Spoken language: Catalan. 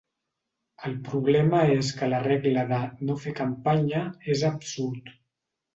El problema és que la regla de “no fer campanya” és absurd.